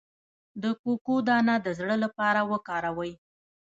د کوکو دانه د زړه لپاره وکاروئ